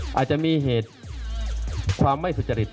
อาจจะมีเหตุความไม่สุจริต